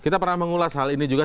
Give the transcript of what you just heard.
kita pernah mengulas hal ini juga